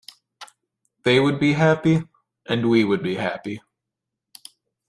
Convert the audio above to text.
They would be happy and we would be happy.